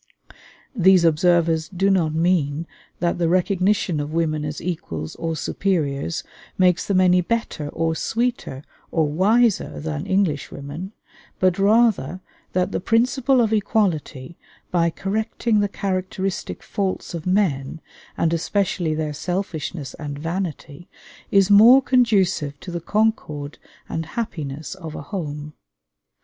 These observers do not mean that the recognition of women as equals or superiors makes them any better or sweeter or wiser than Englishwomen; but rather that the principle of equality, by correcting the characteristic faults of men, and especially their selfishness and vanity, is more conducive to the concord and happiness of a home.